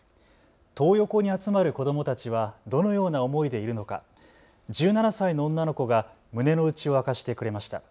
トー横に集まる子どもたちはどのような思いでいるのか１７歳の女の子が胸の内を明かしてくれました。